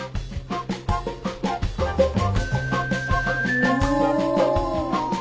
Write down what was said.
お。